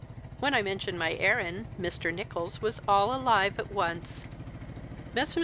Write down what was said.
When I mentioned my errand, Mr. Nicholls was all alive at once." "'Messrs.